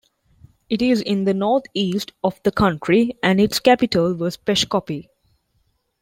It is in the northeast of the country, and its capital was Peshkopi.